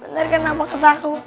bener kan nama kesaku